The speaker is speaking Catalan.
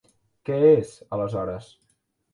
Què és, aleshores?